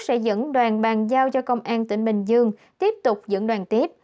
sẽ dẫn đoàn bàn giao cho công an tỉnh bình dương tiếp tục dẫn đoàn tiếp